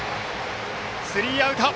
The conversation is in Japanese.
スリーアウト。